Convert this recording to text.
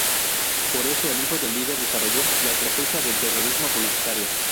Por esto el hijo del líder desarrolló la estrategia del "terrorismo publicitario".